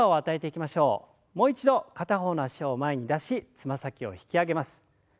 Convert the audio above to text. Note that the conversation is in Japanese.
もう一度片方の脚を前に出しつま先を引き上げます。